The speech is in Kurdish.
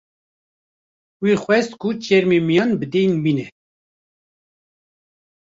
wî xwest ku çermê miyan bi deyn bîne